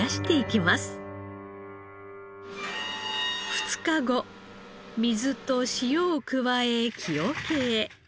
２日後水と塩を加え木桶へ。